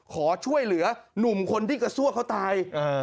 ขอช่วยเหลือหนุ่มคนที่กระซั่วเขาตาย